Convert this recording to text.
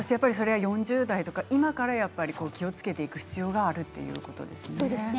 ４０代とか今から気をつけていく必要があるということですね。